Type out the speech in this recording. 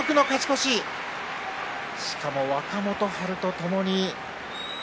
しかも、若元春とともに。